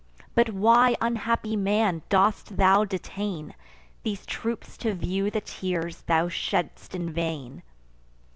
But why, unhappy man, dost thou detain These troops, to view the tears thou shedd'st in vain?